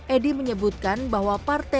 edi menyebutkan bahwa partai